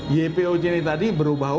ypoc ini tadi berubah obatnya